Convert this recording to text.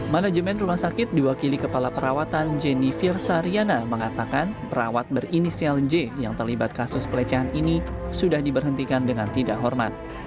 manajemen rumah sakit diwakili kepala perawatan jenny firsariana mengatakan perawat berinisial j yang terlibat kasus pelecehan ini sudah diberhentikan dengan tidak hormat